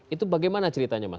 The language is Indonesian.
itu bagaimana ceritanya mas